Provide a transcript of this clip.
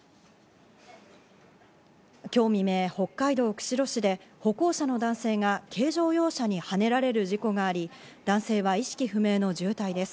今日未明、北海道釧路市で歩行者の男性が軽乗用車にはねられる事故があり、男性は意識不明の重体です。